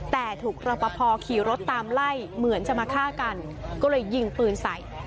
แต่ถูกรอปภขี่รถตามไล่เหมือนจะมาฆ่ากันก็เลยยิงปืนใส่